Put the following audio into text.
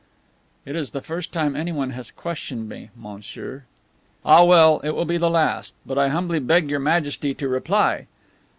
"It is the first time anyone has questioned me, monsieur." "Ah, well, it will be the last. But I humbly beg Your Majesty to reply."